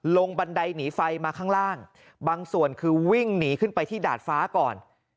บันไดหนีไฟมาข้างล่างบางส่วนคือวิ่งหนีขึ้นไปที่ดาดฟ้าก่อน